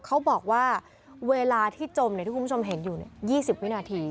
เขาบอกว่าเวลาที่จมที่คุณผู้ชมเห็นอยู่๒๐วินาที